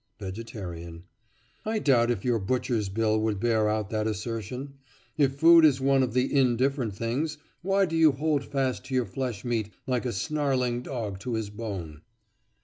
VEGETARIAN: I doubt if your butcher's bill would bear out that assertion. If food is one of the "indifferent" things, why do you hold fast to your flesh meat, like a snarling dog to his bone?